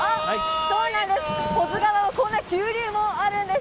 保津川はこんな急流もあるんです。